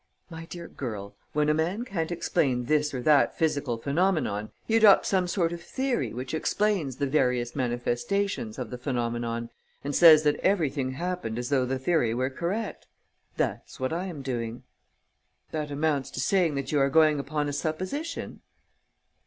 my dear girl, when a man can't explain this or that physical phenomenon, he adopts some sort of theory which explains the various manifestations of the phenomenon and says that everything happened as though the theory were correct. That's what I am doing." "That amounts to saying that you are going upon a supposition?"